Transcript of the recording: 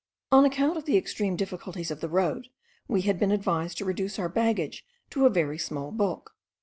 On account of the extreme difficulties of the road, we had been advised to reduce our baggage to a very small bulk.